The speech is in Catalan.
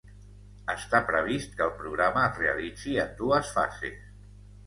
Està previst que el programa es realitzi en dues fases.